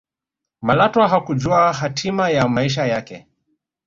malatwa hakujua hatima ya maisha yake